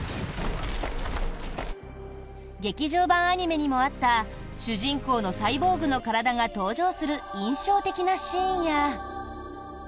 劇場版アニメにもあった主人公のサイボーグの体が登場する印象的なシーンや。